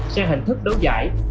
sang hình thức đấu giải